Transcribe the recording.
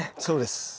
そうです。